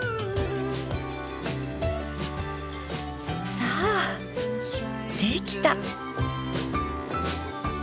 さあできた！